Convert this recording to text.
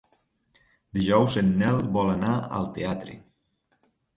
Dijous en Nel vol anar al teatre.